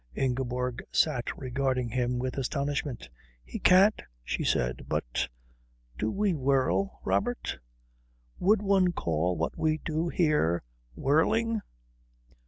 Ingeborg sat regarding him with astonishment. "He can't," she said. "But do we whirl, Robert? Would one call what we do here whirling?"